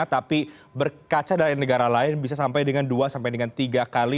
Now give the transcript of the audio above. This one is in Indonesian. tapi berkaca dari negara lain bisa sampai dengan dua sampai dengan tiga kali